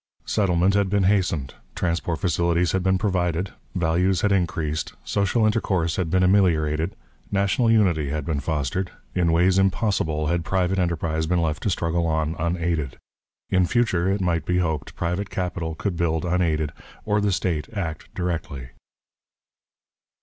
Settlement had been hastened, transport facilities had been provided, values had increased, social intercourse had been ameliorated, national unity had been fostered, in ways impossible had private enterprise been left to struggle on unaided. In future, it might be hoped, private capital could build unaided, or the state act directly.